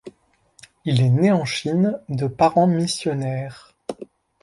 Il est né en Chine de parents missionnaires.